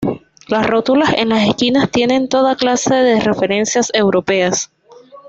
Las rótulas en las esquinas tienen toda clase de referencias europeas.